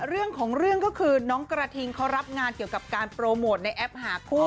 เรื่องของเรื่องก็คือน้องกระทิงเขารับงานเกี่ยวกับการโปรโมทในแอปหาคู่